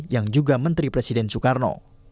yang juga menteri presiden soekarno